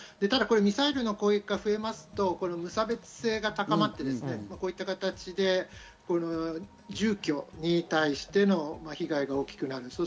ただミサイルの攻撃が増えますと、無差別性が高まって、こういった形で住居に対しての被害が大きくなる。